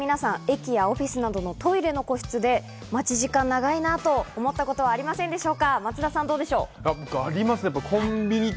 続いて最近、皆さん駅やオフィスなどのトイレの個室で待ち時間長いなと思ったことはありませんでしょうか？